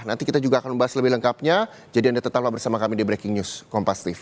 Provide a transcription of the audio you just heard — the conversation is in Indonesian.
nanti kita juga akan membahas lebih lengkapnya jadi anda tetaplah bersama kami di breaking news kompastif